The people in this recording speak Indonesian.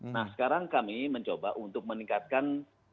nah sekarang kami mencoba untuk meningkatkan